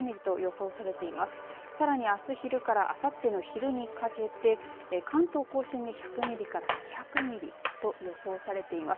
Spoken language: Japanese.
それにあす昼からあさっての昼にかけて関東甲信で１００ミリから２００ミリと予想されています。